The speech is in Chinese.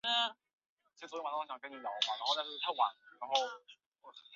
坚韧猪笼草是澳大利亚昆士兰州北部特有的热带食虫植物。